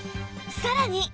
さらに